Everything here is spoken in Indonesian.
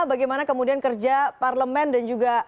bagaimana kemudian kerja parlemen dan juga